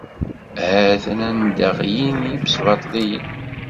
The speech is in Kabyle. Ha-t-an anda i ɣlin yimesbaṭliyen!